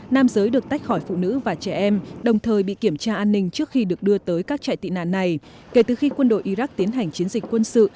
nam giới được tách khỏi phụ nữ và trẻ em đồng thời bị kiểm tra an ninh trước khi được đưa tới các trại tị nạn này kể từ khi quân đội iraq tiến hành chiến dịch quân sự